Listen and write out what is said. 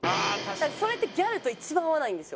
それってギャルと一番合わないんですよ。